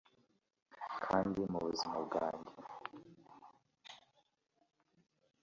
Kandi mubuzima bwanjye